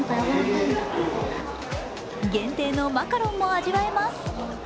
限定のマカロンも味わえます。